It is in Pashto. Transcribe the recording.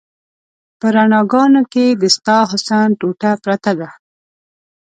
په رڼاګانو کې د ستا حسن ټوټه پرته ده